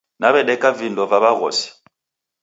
Naw'edeka vindo va w'aghosi.